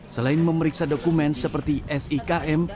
selain memeriksa dokumen seperti sikm